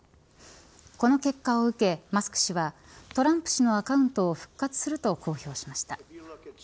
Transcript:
この結果を受け、マスク氏はトランプ氏のアカウントを復活すると公表しました。